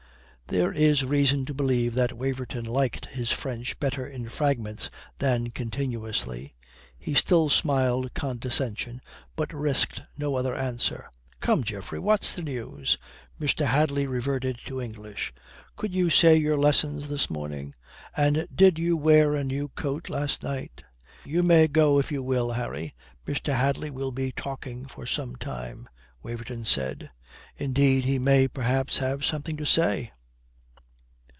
There is reason to believe that Waverton liked his French better in fragments than continuously. He still smiled condescension, but risked no other answer. "Come, Geoffrey, what's the news?" Mr. Hadley reverted to English. "Could you say your lessons this morning? And did you wear a new coat last night?" "You may go if you will, Harry. Mr. Hadley will be talking for some time," Waverton said. "Indeed, he may, perhaps, have something to say."